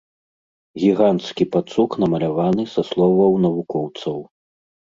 Гіганцкі пацук, намаляваны са словаў навукоўцаў.